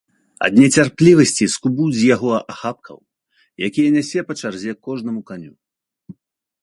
Ад нецярплівасці скубуць з яго ахапкаў, якія нясе па чарзе кожнаму каню.